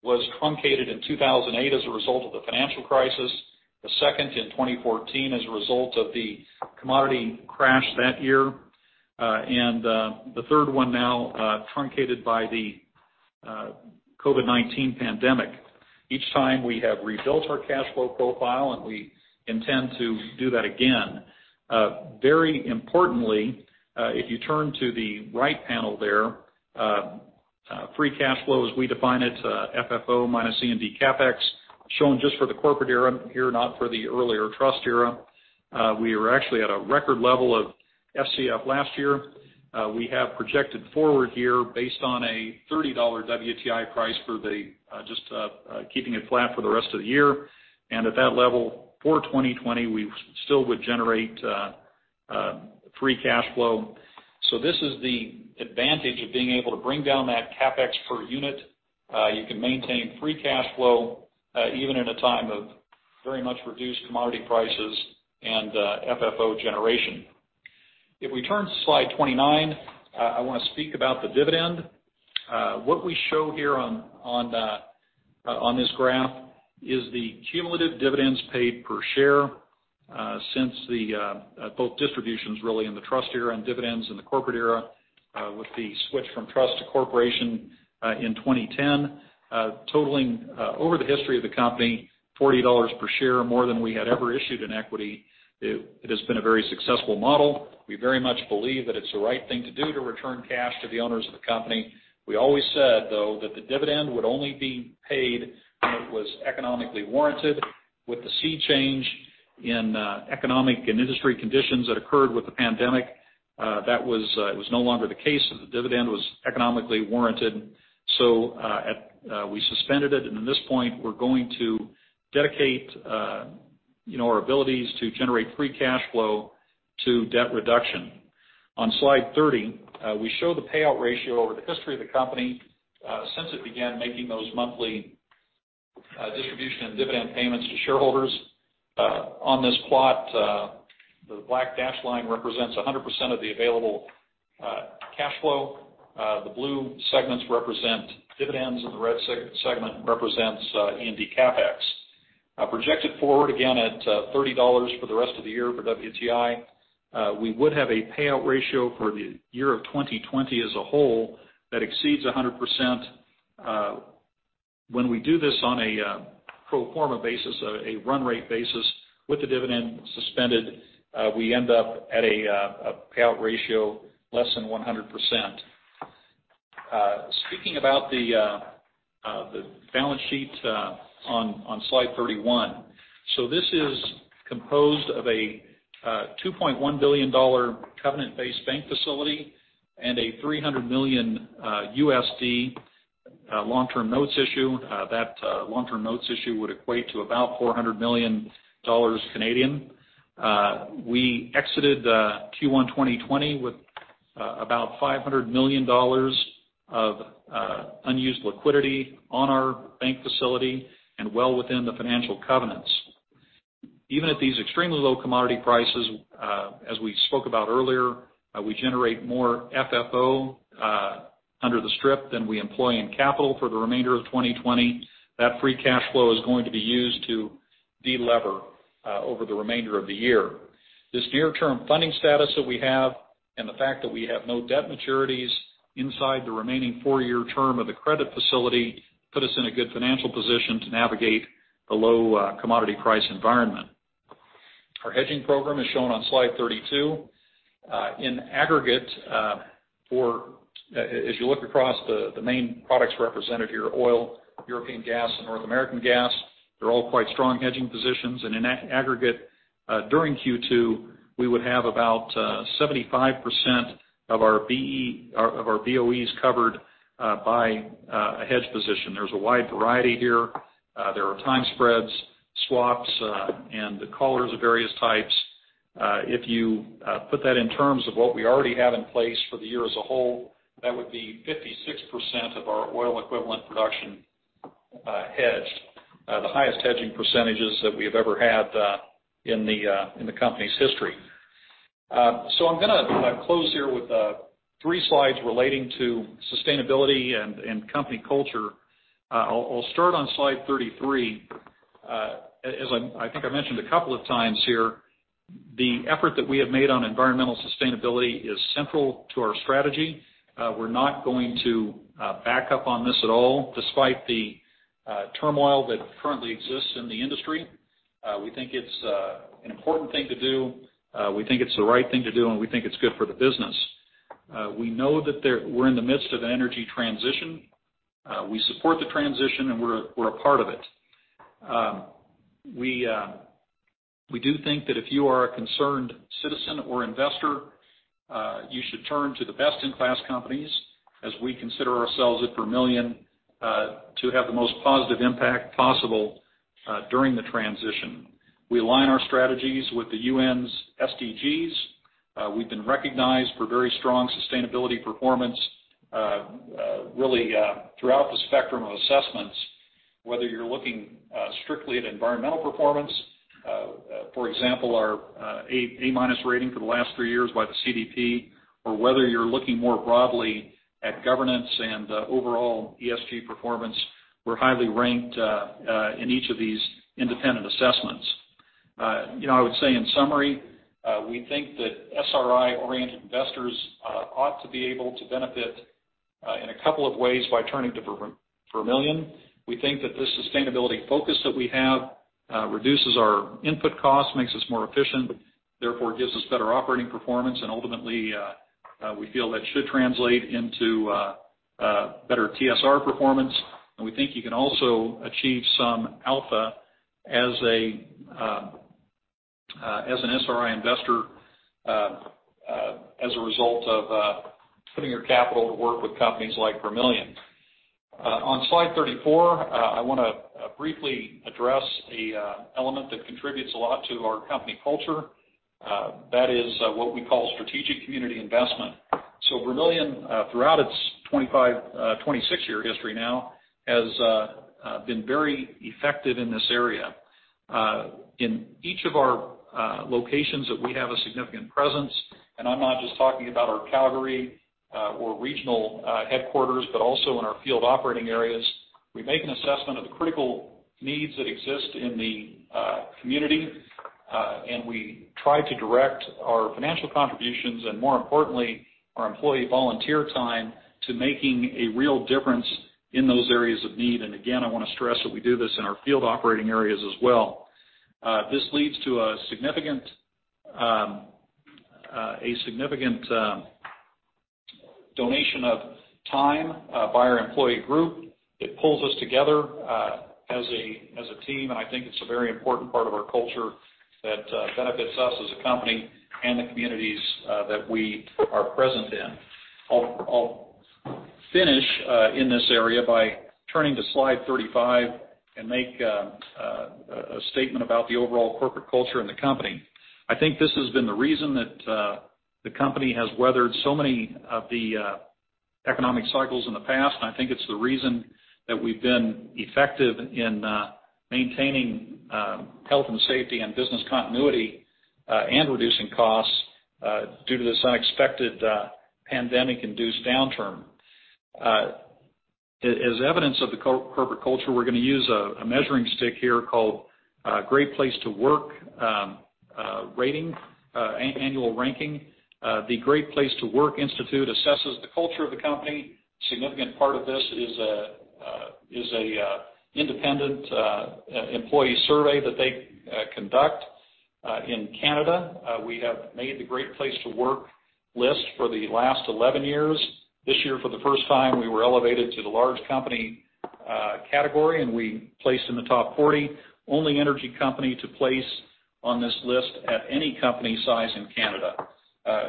was truncated in 2008 as a result of the financial crisis, the second in 2014, as a result of the commodity crash that year, and the third one now, truncated by the COVID-19 pandemic. Each time we have rebuilt our cash flow profile, and we intend to do that again. Very importantly, if you turn to the right panel there, free cash flow, as we define it, FFO minus E&D CapEx, shown just for the corporate era here, not for the earlier trust era. We are actually at a record level of FCF last year. We have projected forward here, based on a $30 WTI price for the just keeping it flat for the rest of the year. And at that level, for 2020, we still would generate free cash flow. So this is the advantage of being able to bring down that CapEx per unit. You can maintain free cash flow even in a time of very much reduced commodity prices and FFO generation. If we turn to slide 29, I wanna speak about the dividend. What we show here on this graph is the cumulative dividends paid per share since both distributions really in the trust era and dividends in the corporate era with the switch from trust to corporation in 2010. Totaling, over the history of the company, 40 dollars per share, more than we had ever issued in equity. It, it has been a very successful model. We very much believe that it's the right thing to do to return cash to the owners of the company. We always said, though, that the dividend would only be paid when it was economically warranted. With the sea change in economic and industry conditions that occurred with the pandemic, that was, it was no longer the case, that the dividend was economically warranted. So, at, we suspended it, and at this point, we're going to dedicate, you know, our abilities to generate free cash flow to debt reduction. On slide 30, we show the payout ratio over the history of the company, since it began making those monthly distribution and dividend payments to shareholders. On this plot, the black dashed line represents 100% of the available cash flow. The blue segments represent dividends, and the red segment represents E&D CapEx. Projected forward, again, at $30 for the rest of the year for WTI, we would have a payout ratio for the year of 2020 as a whole that exceeds 100%. When we do this on a pro forma basis, a run rate basis with the dividend suspended, we end up at a payout ratio less than 100%. Speaking about the balance sheet, on slide 31. So this is composed of a $2.1 billion covenant-based bank facility and a $300 million USD long-term notes issue. That long-term notes issue would equate to about 400 million Canadian dollars. We exited Q1 2020 with about $500 million of unused liquidity on our bank facility and well within the financial covenants. Even at these extremely low commodity prices, as we spoke about earlier, we generate more FFO under the strip than we employ in capital for the remainder of 2020. That free cash flow is going to be used to de-lever over the remainder of the year. This near-term funding status that we have, and the fact that we have no debt maturities inside the remaining four-year term of the credit facility, put us in a good financial position to navigate the low commodity price environment. Our hedging program is shown on slide 32. In aggregate, for, as you look across the main products represented here, oil, European gas, and North American gas, they're all quite strong hedging positions. And in aggregate, during Q2, we would have about 75% of our BOEs covered by a hedge position. There's a wide variety here. There are time spreads, swaps, and the collars of various types. If you put that in terms of what we already have in place for the year as a whole, that would be 56% of our oil equivalent production hedged. The highest hedging percentages that we have ever had in the company's history. So I'm gonna close here with 3 slides relating to sustainability and company culture. I'll start on slide 33. As I think I mentioned a couple of times here, the effort that we have made on environmental sustainability is central to our strategy. We're not going to back up on this at all, despite the turmoil that currently exists in the industry. We think it's an important thing to do, we think it's the right thing to do, and we think it's good for the business. We know that we're in the midst of an energy transition, we support the transition, and we're a part of it. We do think that if you are a concerned citizen or investor, you should turn to the best-in-class companies, as we consider ourselves at Vermilion, to have the most positive impact possible during the transition. We align our strategies with the UN's SDGs. We've been recognized for very strong sustainability performance, really, throughout the spectrum of assessments, whether you're looking strictly at environmental performance. For example, our A, A-minus rating for the last three years by the CDP, or whether you're looking more broadly at governance and overall ESG performance, we're highly ranked in each of these independent assessments. You know, I would say in summary, we think that SRI-oriented investors ought to be able to benefit in a couple of ways by turning to Vermilion. We think that this sustainability focus that we have reduces our input costs, makes us more efficient, therefore gives us better operating performance, and ultimately we feel that should translate into better TSR performance. And we think you can also achieve some alpha as a as an SRI investor as a result of putting your capital to work with companies like Vermilion. On slide 34, I wanna briefly address a element that contributes a lot to our company culture. That is what we call strategic community investment. So Vermilion, throughout its 25, 26-year history now, has been very effective in this area. In each of our locations that we have a significant presence, and I'm not just talking about our Calgary or regional headquarters, but also in our field operating areas, we make an assessment of the critical needs that exist in the community, and we try to direct our financial contributions, and more importantly, our employee volunteer time, to making a real difference in those areas of need. And again, I wanna stress that we do this in our field operating areas as well. This leads to a significant donation of time by our employee group. It pulls us together as a team, and I think it's a very important part of our culture that benefits us as a company and the communities that we are present in. I'll finish in this area by turning to slide 35 and make a statement about the overall corporate culture in the company. I think this has been the reason that the company has weathered so many of the economic cycles in the past. And I think it's the reason that we've been effective in maintaining health and safety and business continuity and reducing costs due to this unexpected pandemic-induced downturn. As evidence of the corporate culture, we're gonna use a measuring stick here called Great Place to Work annual ranking. The Great Place to Work Institute assesses the culture of the company. A significant part of this is an independent employee survey that they conduct. In Canada, we have made the Great Place to Work list for the last 11 years. This year, for the first time, we were elevated to the large company category, and we placed in the top 40. Only energy company to place on this list at any company size in Canada.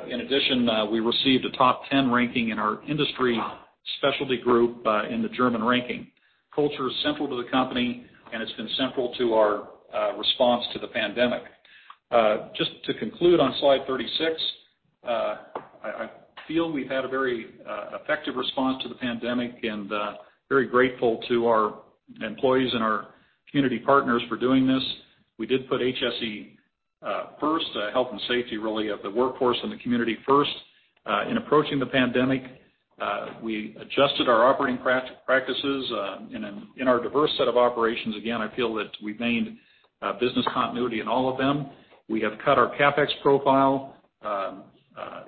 In addition, we received a top 10 ranking in our industry specialty group in the German ranking. Culture is central to the company, and it's been central to our response to the pandemic. Just to conclude on slide 36, I feel we've had a very effective response to the pandemic, and very grateful to our employees and our community partners for doing this. We did put HSE first, health and safety, really, of the workforce and the community first in approaching the pandemic. We adjusted our operating practices in our diverse set of operations. Again, I feel that we've maintained business continuity in all of them. We have cut our CapEx profile,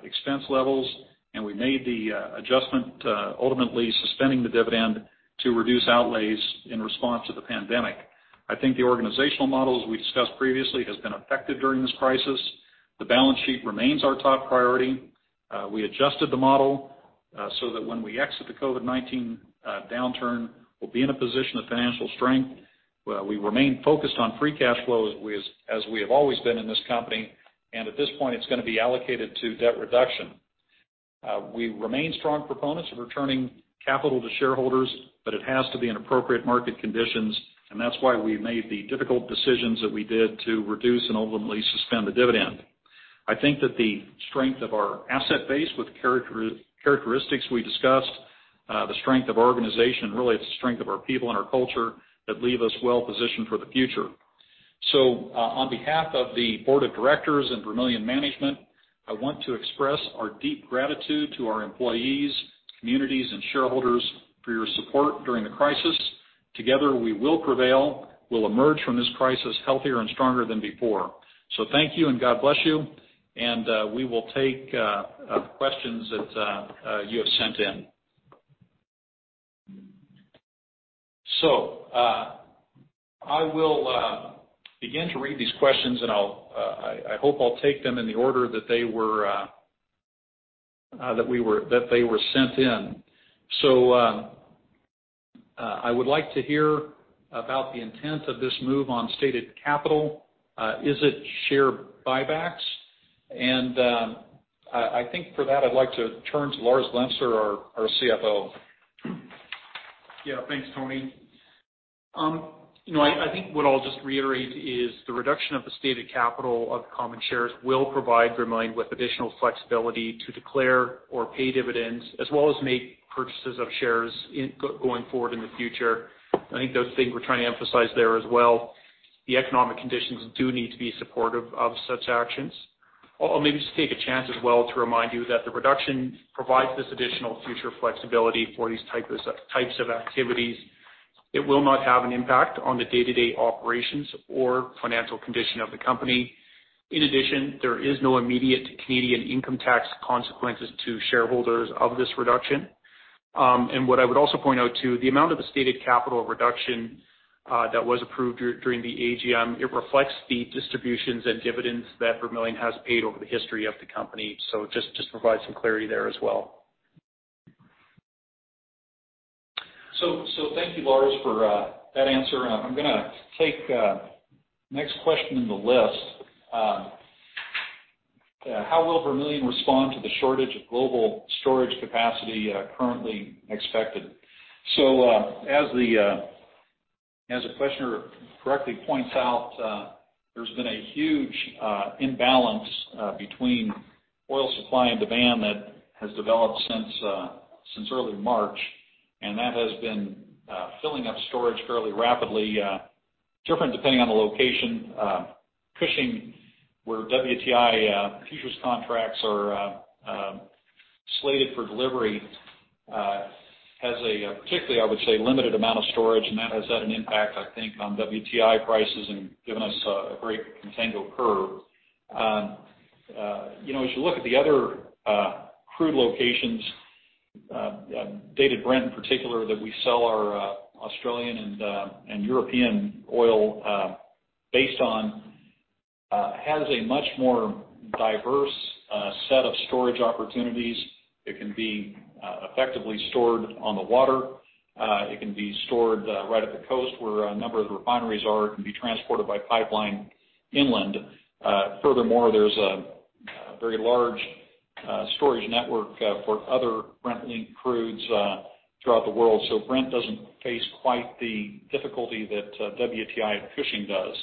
expense levels, and we made the adjustment to ultimately suspending the dividend to reduce outlays in response to the pandemic. I think the organizational models we discussed previously has been effective during this crisis. The balance sheet remains our top priority. We adjusted the model, so that when we exit the COVID-19 downturn, we'll be in a position of financial strength. We remain focused on free cash flow, as we have always been in this company, and at this point, it's gonna be allocated to debt reduction. We remain strong proponents of returning capital to shareholders, but it has to be in appropriate market conditions, and that's why we made the difficult decisions that we did to reduce and ultimately suspend the dividend. I think that the strength of our asset base with characteristics we discussed, the strength of our organization, really it's the strength of our people and our culture that leave us well positioned for the future. So, on behalf of the Board of Directors and Vermilion management, I want to express our deep gratitude to our employees, communities, and shareholders for your support during the crisis. Together, we will prevail. We'll emerge from this crisis healthier and stronger than before. So thank you, and God bless you, and we will take questions that you have sent in. So, I will begin to read these questions, and I'll, I hope I'll take them in the order that they were that they were sent in. So, I would like to hear about the intent of this move on stated capital. Is it share buybacks? And, I think for that, I'd like to turn to Lars Glemser, our CFO. Yeah, thanks, Tony. You know, I think what I'll just reiterate is the reduction of the stated capital of common shares will provide Vermilion with additional flexibility to declare or pay dividends, as well as make purchases of shares going forward in the future. I think the thing we're trying to emphasize there as well, the economic conditions do need to be supportive of such actions. I'll maybe just take a chance as well to remind you that the reduction provides this additional future flexibility for these types of activities. It will not have an impact on the day-to-day operations or financial condition of the company. In addition, there is no immediate Canadian income tax consequences to shareholders of this reduction. And what I would also point out, too, the amount of the stated capital reduction that was approved during the AGM, it reflects the distributions and dividends that Vermilion has paid over the history of the company. So, just to provide some clarity there as well. So, thank you, Lars, for that answer, and I'm gonna take next question in the list. How will Vermilion respond to the shortage of global storage capacity, currently expected? So, as the questioner correctly points out, there's been a huge imbalance between oil supply and demand that has developed since early March, and that has been filling up storage fairly rapidly. Different depending on the location. Cushing, where WTI futures contracts are slated for delivery, has a particularly, I would say, limited amount of storage, and that has had an impact, I think, on WTI prices and given us a great contango curve. You know, as you look at the other crude locations, Dated Brent in particular, that we sell our Australian and European oil based on has a much more diverse set of storage opportunities. It can be effectively stored on the water. It can be stored right at the coast, where a number of the refineries are. It can be transported by pipeline inland. Furthermore, there's a very large storage network for other Brent-linked crudes throughout the world. So Brent doesn't face quite the difficulty that WTI Cushing does.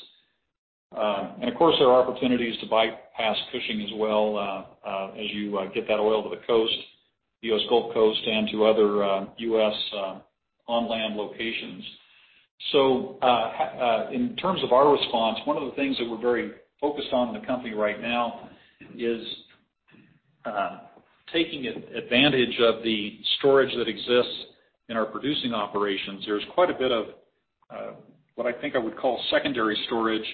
And of course, there are opportunities to bypass Cushing as well, as you get that oil to the coast, the U.S. Gulf Coast, and to other U.S. on land locations. So, in terms of our response, one of the things that we're very focused on in the company right now is taking advantage of the storage that exists in our producing operations. There's quite a bit of what I think I would call secondary storage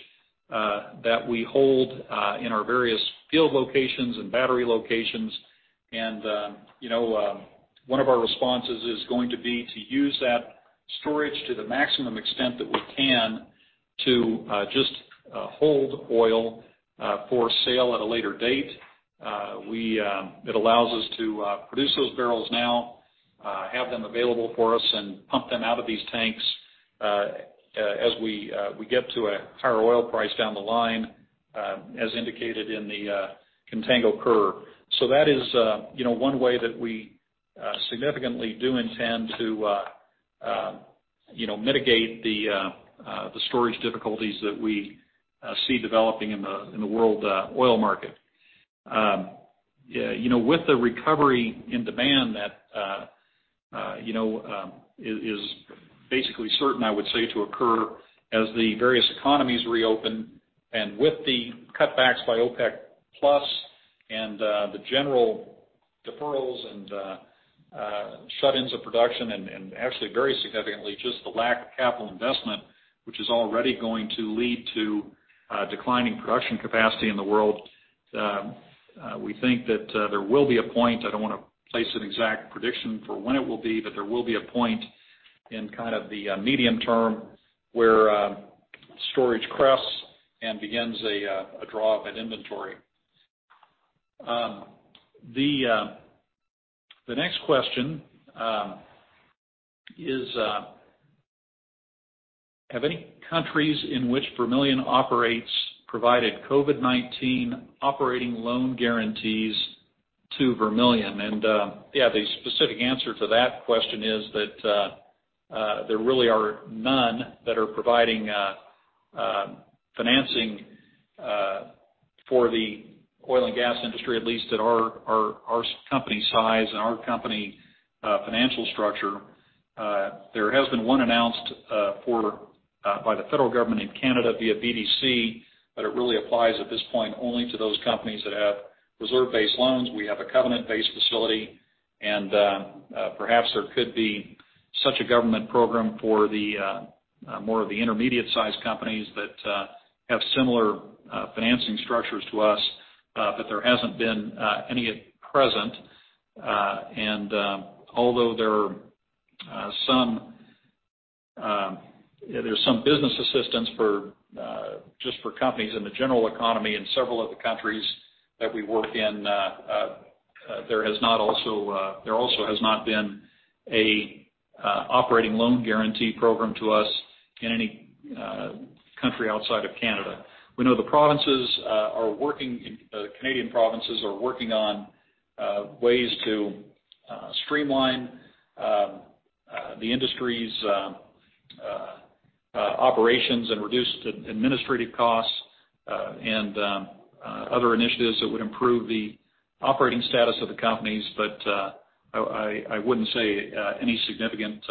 that we hold in our various field locations and battery locations. And, you know, one of our responses is going to be to use that storage to the maximum extent that we can to just hold oil for sale at a later date. It allows us to produce those barrels now, have them available for us, and pump them out of these tanks as we get to a higher oil price down the line, as indicated in the contango curve. That is, you know, one way that we significantly do intend to, you know, mitigate the storage difficulties that we see developing in the world oil market. You know, with the recovery in demand that is basically certain, I would say, to occur as the various economies reopen, and with the cutbacks by OPEC+, and the general deferrals and shut-ins of production, and actually very significantly, just the lack of capital investment, which is already going to lead to declining production capacity in the world, we think that there will be a point, I don't wanna place an exact prediction for when it will be, but there will be a point in kind of the medium term, where storage crests and begins a draw of that inventory. The next question is: Have any countries in which Vermilion operates provided COVID-19 operating loan guarantees to Vermilion? Yeah, the specific answer to that question is that there really are none that are providing financing for the oil and gas industry, at least at our company size and our company financial structure. There has been one announced for by the federal government in Canada via BDC, but it really applies at this point only to those companies that have reserve-based loans. We have a covenant-based facility, and perhaps there could be such a government program for the more of the intermediate-sized companies that have similar financing structures to us. But there hasn't been any at present. And, although there are some... There's some business assistance for just companies in the general economy in several of the countries that we work in. There also has not been an operating loan guarantee program to us in any country outside of Canada. We know Canadian provinces are working on ways to streamline the industry's operations and reduce the administrative costs and other initiatives that would improve the operating status of the companies. But, I, I wouldn't say any significant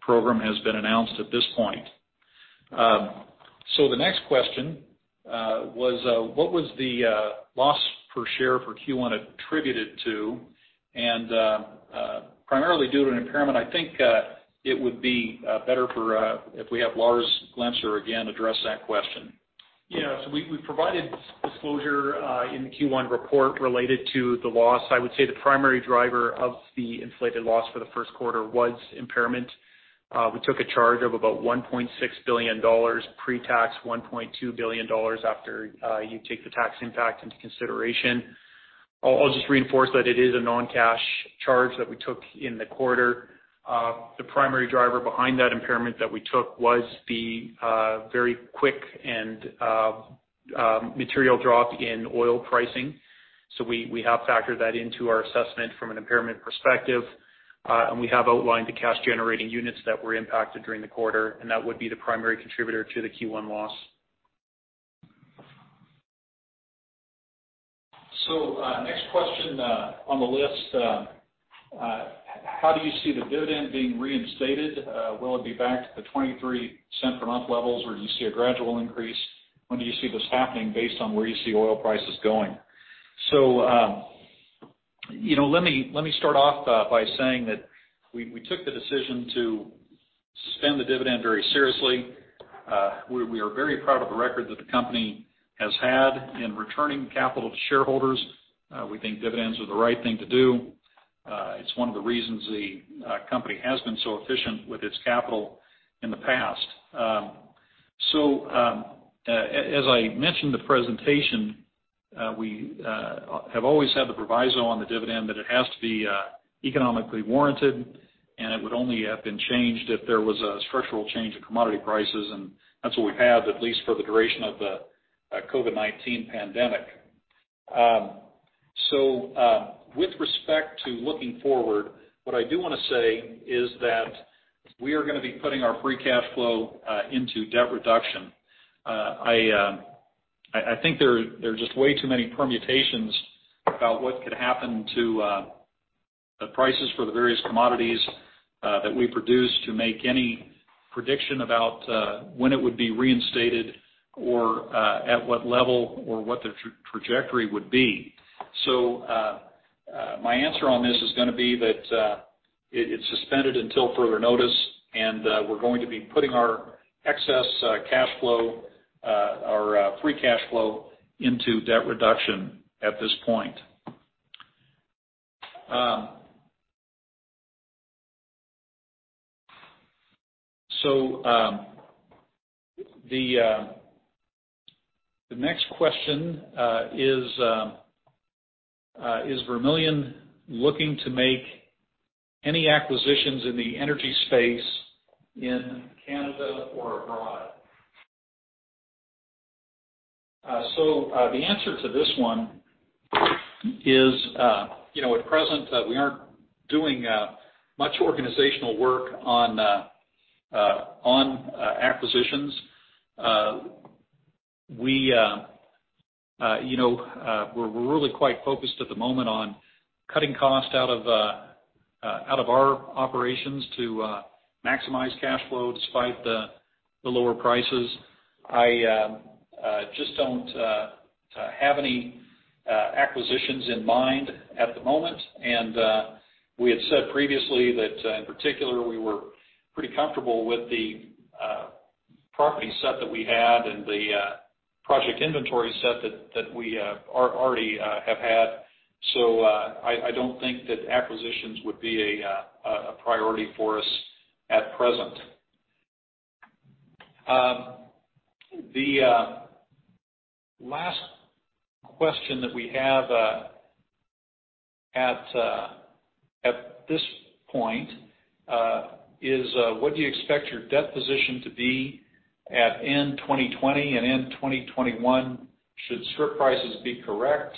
program has been announced at this point. So the next question was: What was the loss per share for Q1 attributed to? Primarily due to an impairment, I think it would be better for if we have Lars Glemser again address that question. Yeah, so we, we provided disclosure in the Q1 report related to the loss. I would say the primary driver of the inflated loss for the first quarter was impairment. We took a charge of about 1.6 billion dollars pre-tax, 1.2 billion dollars after you take the tax impact into consideration. I'll, I'll just reinforce that it is a non-cash charge that we took in the quarter. The primary driver behind that impairment that we took was the very quick and material drop in oil pricing. So we, we have factored that into our assessment from an impairment perspective, and we have outlined the cash generating units that were impacted during the quarter, and that would be the primary contributor to the Q1 loss. So, next question on the list: How do you see the dividend being reinstated? Will it be back to the 0.23 per month levels, or do you see a gradual increase? When do you see this happening, based on where you see oil prices going? So, you know, let me, let me start off by saying that we, we took the decision to suspend the dividend very seriously. We, we are very proud of the record that the company has had in returning capital to shareholders. We think dividends are the right thing to do. It's one of the reasons the company has been so efficient with its capital in the past. So, as I mentioned in the presentation, we have always had the proviso on the dividend that it has to be economically warranted, and it would only have been changed if there was a structural change in commodity prices. That's what we have, at least for the duration of the COVID-19 pandemic. So, with respect to looking forward, what I do wanna say is that we are gonna be putting our free cash flow into debt reduction. I think there are just way too many permutations about what could happen to the prices for the various commodities that we produce, to make any prediction about when it would be reinstated or at what level, or what the trajectory would be. So, my answer on this is gonna be that, it's suspended until further notice, and, we're going to be putting our excess cash flow, our free cash flow into debt reduction at this point. So, the next question is: Is Vermilion looking to make any acquisitions in the energy space in Canada or abroad? So, the answer to this one is, you know, at present, we aren't doing much organizational work on acquisitions. You know, we're really quite focused at the moment on cutting costs out of our operations to maximize cash flow despite the lower prices. I just don't have any acquisitions in mind at the moment. And, we had said previously that, in particular, we were pretty comfortable with the, property set that we had and the, project inventory set that we already have had. So, I don't think that acquisitions would be a priority for us at present. The last question that we have at this point is: What do you expect your debt position to be at end 2020 and end 2021, should strip prices be correct?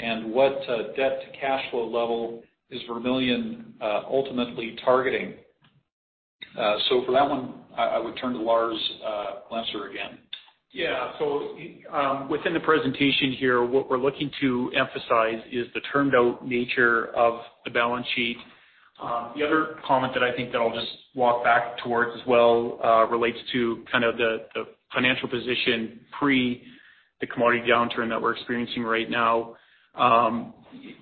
And what debt to cash flow level is Vermilion ultimately targeting? So for that one, I would turn to Lars Glemser again. Yeah, so, within the presentation here, what we're looking to emphasize is the termed-out nature of the balance sheet. The other comment that I think that I'll just walk back towards as well relates to kind of the, the financial position pre the commodity downturn that we're experiencing right now.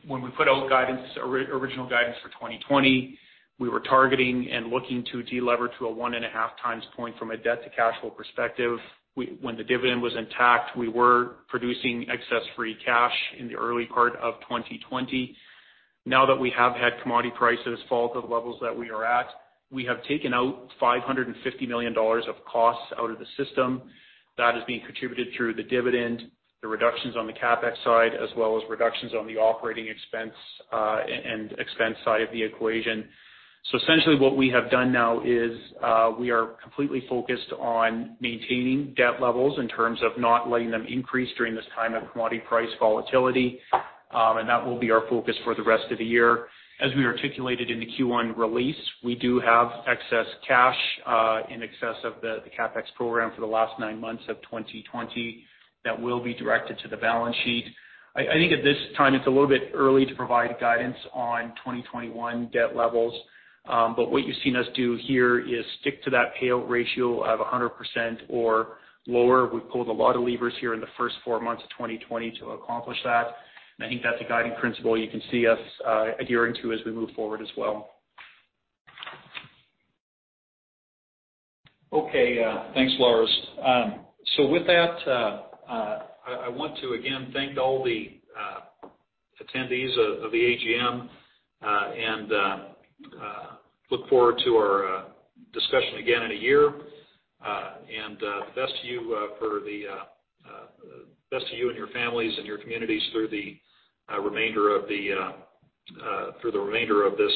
When we put out guidance, original guidance for 2020, we were targeting and looking to delever to a 1.5 times point from a debt to cash flow perspective. When the dividend was intact, we were producing excess free cash in the early part of 2020. Now that we have had commodity prices fall to the levels that we are at, we have taken out $550 million of costs out of the system. That is being contributed through the dividend, the reductions on the CapEx side, as well as reductions on the operating expense and expense side of the equation. So essentially, what we have done now is we are completely focused on maintaining debt levels in terms of not letting them increase during this time of commodity price volatility. And that will be our focus for the rest of the year. As we articulated in the Q1 release, we do have excess cash in excess of the CapEx program for the last nine months of 2020. That will be directed to the balance sheet. I think at this time, it's a little bit early to provide guidance on 2021 debt levels, but what you've seen us do here is stick to that payout ratio of 100% or lower. We've pulled a lot of levers here in the first four months of 2020 to accomplish that, and I think that's a guiding principle you can see us adhering to as we move forward as well. Okay. Thanks, Lars. So with that, I want to again thank all the attendees of the AGM and look forward to our discussion again in a year. And best to you and your families and your communities through the remainder of this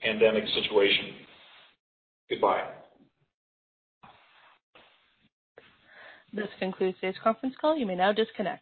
pandemic situation. Goodbye. This concludes today's conference call. You may now disconnect.